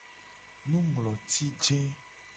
Nungloti je.